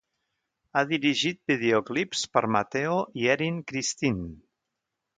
Ha dirigit videoclips per Mateo i Erin Christine.